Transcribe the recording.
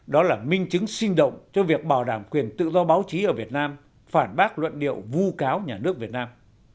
đó là minh chứng sinh động cho việc bảo đảm quyền tự do báo chí ở việt nam phản bác luận điệu vu cáo nhà nước việt nam